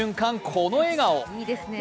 この笑顔。